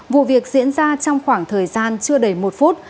vụ việc diễn ra trong khoảng thời gian chưa đầy một phút